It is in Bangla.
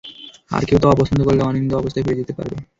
আর কেউ তা অপছন্দ করলে অনিন্দ্য অবস্থায় ফিরে যেতে পারবে।